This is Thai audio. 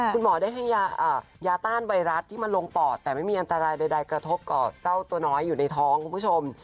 คุณหมอได้ให้ยาต้านไวรัสที่มันลงปอดแต่ไม่มีอันตรายใดกระทบต่อเจ้าตัวน้อยอยู่ในท้องคุณผู้ชม